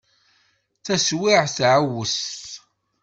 Taswiεt teεweṣ.